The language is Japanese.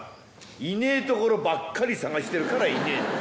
居ねえ所ばっかり捜してるから居ねえんだよ」